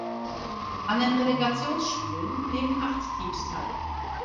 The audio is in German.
An den Relegationsspielen nehmen acht Teams teil.